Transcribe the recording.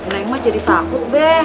neng mah jadi takut be